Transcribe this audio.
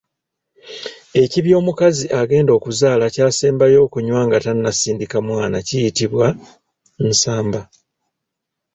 Ekibya omukazi agenda okuzaala kyasembayo okunywa nga tannasindika mwana kiyitibwa, Nsamba.